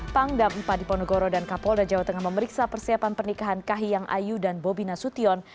pangdam ipa di ponegoro dan kapolda jawa tengah memeriksa persiapan pernikahan kahiyang ayu dan bobi nasution